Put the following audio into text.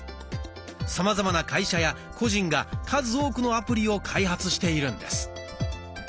さまざまな会社や個人が数多くのアプリを開発しているんです。